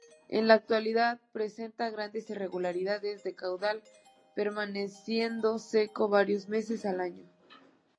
En la actualidad presenta grandes irregularidades de caudal, permaneciendo seco varios meses al año.